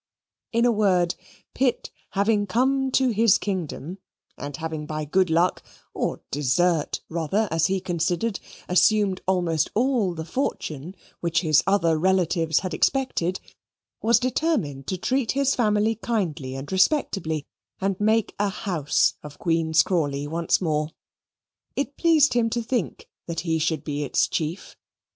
In a word, Pitt having come to his kingdom, and having by good luck, or desert rather, as he considered, assumed almost all the fortune which his other relatives had expected, was determined to treat his family kindly and respectably and make a house of Queen's Crawley once more. It pleased him to think that he should be its chief.